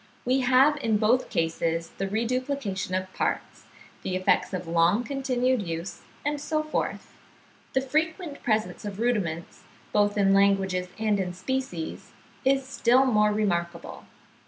We have in both cases the reduplication of parts, the effects of long continued use, and so forth. The frequent presence of rudiments, both in languages and in species, is still more remarkable.